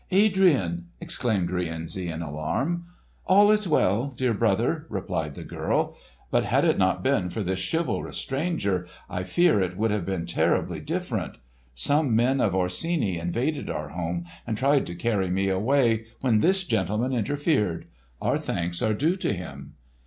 Adrian!" exclaimed Rienzi in alarm. "All is well, dear brother," replied the girl. "But had it not been for this chivalrous stranger, I fear it would have been terribly different. Some men of Orsini invaded our home and tried to carry me away, when this gentleman interfered. Our thanks are due to him."